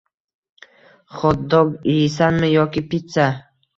Xotdog yiysanmi yoki pitsa?